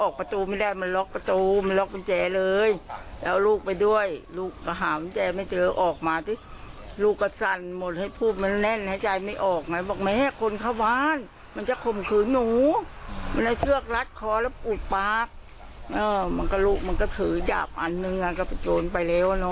ก็โอ้โหแค้นจัดเลยเนี่ยแล้วก็กลัวกันนะพี่